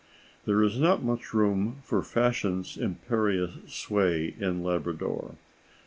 There is not much room for fashion's imperious sway in Labrador.